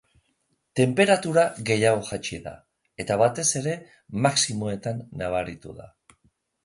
Tenperatura gehiago jaitsi da, eta batez ere maximoetan nabaritu da.